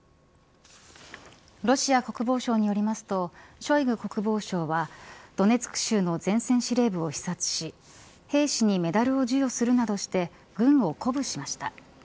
ロシア国防省によりますとショイグ国防相はドネツク州の前線司令部を視察し兵士にメダルを授与するなどして軍を鼓舞しました。